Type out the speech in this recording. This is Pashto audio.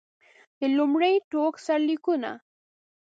د لومړي ټوک سرلیکونه.